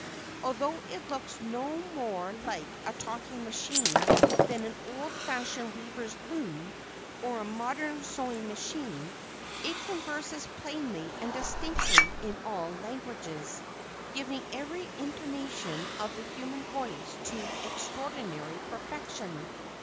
Although it looks no more like a talking machine than an old fashioned weaver's loom, or a modern sewing machine, it converses plainly and distinctly in all languages, giving every intonation of the human voice to extraordinary perfection.